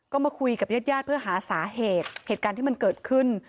ก็มาคุยกับญาติญาติเพื่อหาสาเหตุเหตุการณ์ที่มันเกิดขึ้น